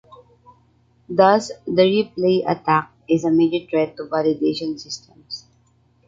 Thus, the replay attack is a major threat to validation systems.